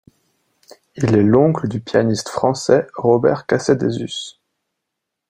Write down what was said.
Il est l'oncle du pianiste français Robert Casadesus.